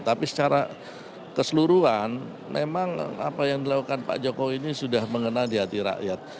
tapi secara keseluruhan memang apa yang dilakukan pak jokowi ini sudah mengenal di hati rakyat